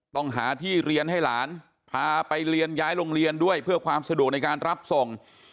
ต้องหาที่เรียนให้หลานพาไปเรียนย้ายโรงเรียนด้วยเพื่อความสะดวกในการรับส่ง